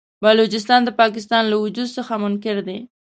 بلوڅان د پاکستان له وجود څخه منکر دي.